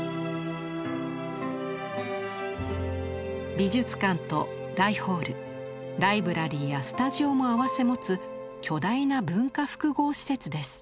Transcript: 美術館と大ホールライブラリーやスタジオも併せ持つ巨大な文化複合施設です。